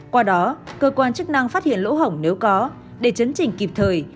qua đó cơ quan chức năng phát hiện lỗ hổng nếu có để chấn chỉnh kịp thời